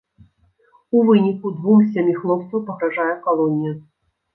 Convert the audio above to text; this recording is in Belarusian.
У выніку двум з сямі хлопцаў пагражае калонія.